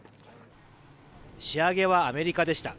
仕上げはアメリカでした。